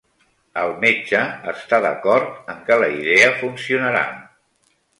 El metge està d'acord en que la idea funcionarà.